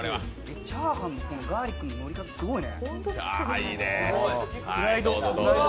チャーハンのこのガーリックののり方、すごいね。